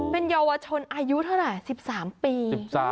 เป็นเยาวชนอายุเท่าไหร่๑๓ปี